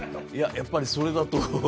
やっぱりそれだと。